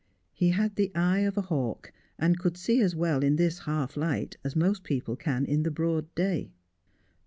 He had the eye of a hawk, and could see as well in this half light as most people can in the broad day.